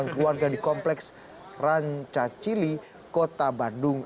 dua ratus tujuh puluh delapan keluarga di kompleks ranca cili kota bandung